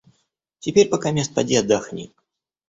Теперь покамест поди отдохни».